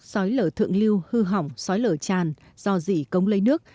sói lở thượng lưu hư hỏng xói lở tràn do dị cống lấy nước